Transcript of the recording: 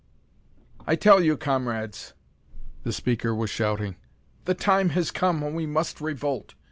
"I tell you, comrades," the speaker was shouting, "the time has come when we must revolt.